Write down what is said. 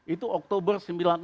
itu oktober sembilan puluh enam